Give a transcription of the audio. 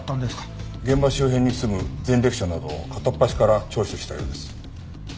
現場周辺に住む前歴者などを片っ端から聴取したようです。